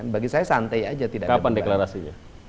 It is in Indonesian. bagi saya santai saja tidak kapan deklarasinya